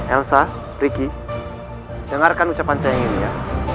elsa ricky dengarkan ucapan saya yang ini ya